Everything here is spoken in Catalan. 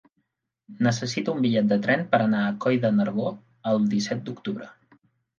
Necessito un bitllet de tren per anar a Coll de Nargó el disset d'octubre.